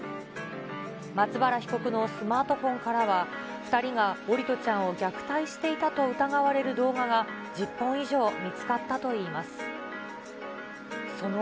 松原被告のスマートフォンからは２人が桜利斗ちゃんを虐待していたと疑われる動画が１０本以上見つかったといいます。